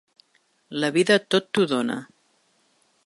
La vida tot t’ho dóna.